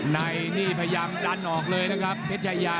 ในนี่พยายามดันออกเลยนะครับเพชรชายา